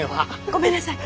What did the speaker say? ごめんなさい。